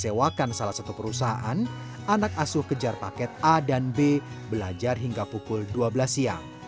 sewakan salah satu perusahaan anak asuh kejar paket a dan b belajar hingga pukul dua belas siang